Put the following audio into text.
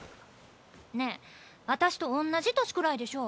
ねえ私とおんなじ年くらいでしょ？